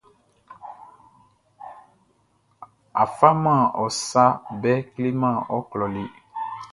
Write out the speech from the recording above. A faman ɔ sa bɛʼn kleman ɔ klɔʼn le.